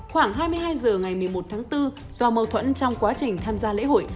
khoảng hai mươi hai h ngày một mươi một tháng bốn do mâu thuẫn trong quá trình tham gia lễ hội